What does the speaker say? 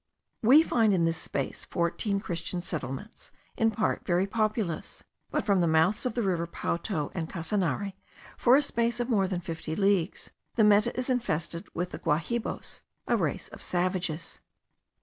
We find in this space fourteen Christian settlements, in part very populous; but from the mouths of the rivers Pauto and Casanare, for a space of more than fifty leagues, the Meta is infested by the Guahibos, a race of savages.